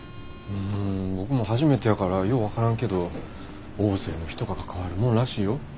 うん僕も初めてやからよう分からんけど大勢の人が関わるもんらしいよ。